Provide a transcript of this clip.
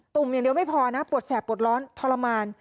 ุ่มอย่างเดียวไม่พอนะปวดแสบปวดร้อนทรมาน